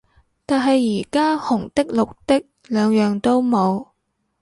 但係而家紅的綠的兩樣都冇